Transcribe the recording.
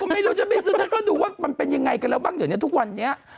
ไม่รู้จะไปซื้อฉันก็ดูว่ามันเป็นยังไงกันแล้วบ้างเดี๋ยวเนี่ยทุกวันนี้